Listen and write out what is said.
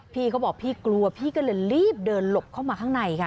พี่เขาบอกพี่กลัวพี่ก็เลยรีบเดินหลบเข้ามาข้างในค่ะ